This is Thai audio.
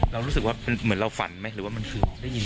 เรารู้สึกว่ามันเหมือนเราฝันไหมหรือว่ามันคือได้ยิน